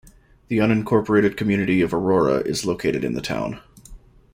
The unincorporated community of Aurora is located in the town.